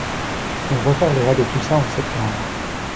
On reparlera de tout ça en septembre.